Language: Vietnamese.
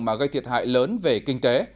và gây thiệt hại lớn về kinh tế